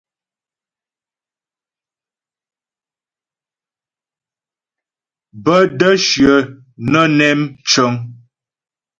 Bə́ də́ shyə nə́ nɛ cə̂ŋ.